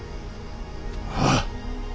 ああ。